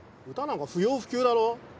歌なんか不要不急だろ？